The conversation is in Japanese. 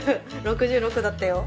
６６だったよ。